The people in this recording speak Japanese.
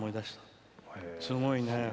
すごいね。